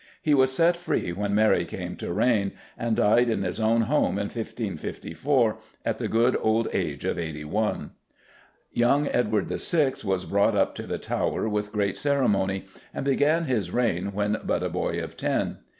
He was set free when Mary came to reign, and died in his own home in 1554 at the good old age of eighty one. Young Edward VI. was brought up to the Tower with great ceremony, and began his reign when but a boy of ten.